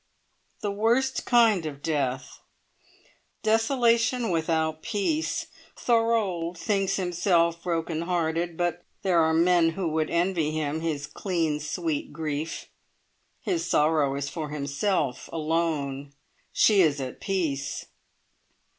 The worst kind of death. Desolation without peace! Thorold thinks himself brokenhearted, but there are men who would envy him his clean, sweet grief. His sorrow is for himself alone. She is at peace!"